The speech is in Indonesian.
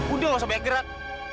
udah ga usah banyak gerak